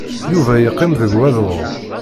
Yuba yeqqim deg wadur.